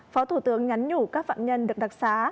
phó thủ tướng nhắn nhủ các phạm nhân được đặc xá